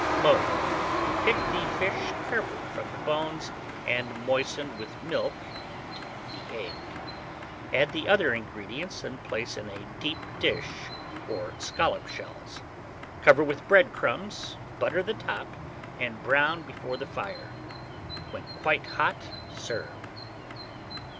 Mode. Pick the fish carefully from the bones, and moisten with milk and the egg; add the other ingredients, and place in a deep dish or scallop shells; cover with bread crumbs, butter the top, and brown before the fire; when quite hot, serve.